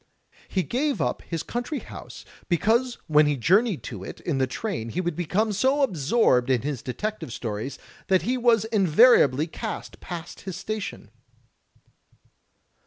He gave up his coimtry house because when he journeyed to it in the train he would become so THE LITERATURE OF MYSTERY 1 9 absorbed in his detective stories that he was invariably carried past his station."